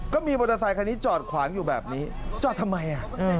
มอเตอร์ไซคันนี้จอดขวางอยู่แบบนี้จอดทำไม